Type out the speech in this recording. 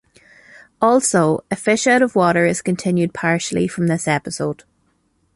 Also "A Fish out of Water" is continued partially from this episode.